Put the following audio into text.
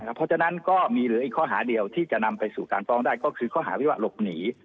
เพราะฉะนั้นก็มีเหลืออีกข้อหาเดียวที่จะนำไปสู่การฟ้องได้ก็คือข้อหาวิวะหลบหนี